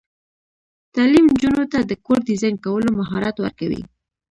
تعلیم نجونو ته د کور ډیزاین کولو مهارت ورکوي.